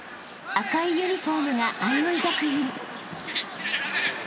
［赤いユニホームが相生学院］